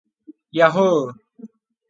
yahhoo